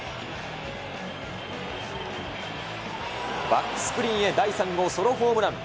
バックスクリーンへ第３号ソロホームラン。